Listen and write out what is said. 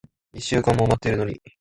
一週間も待ってるのに。